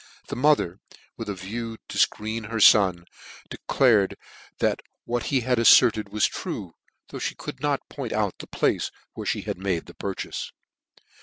The mo ther, with a view to fcreen her fon, declared that what he had afTerted was true, thouj>h me could not point out the place where fhe had made the purch.ife.